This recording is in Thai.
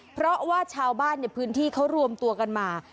เพราะว่าชาวบ้านในพื้นที่เขารวมตัวกันมา